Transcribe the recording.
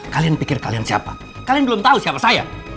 kalian pikir kalian siapa kalian belum tahu siapa saya